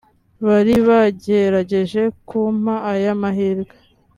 bari bagerageje kumpa aya mahirwe